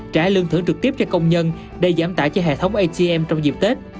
trả lương thưởng trực tiếp cho công nhân để giảm tải cho hệ thống atm trong dịp tết